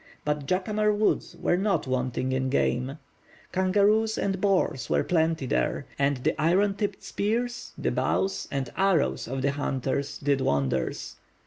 But Jacamar Woods were not wanting in game; kangaroos and boars were plenty there, and the iron tipped spears, the bows and arrows of the hunters did wonders.